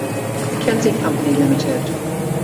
McKenzie Company, Limited.